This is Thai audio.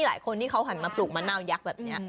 หลายคนที่เขาหันมาปลูกมะนาวยักษ์แบบนี้